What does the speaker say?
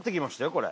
これ。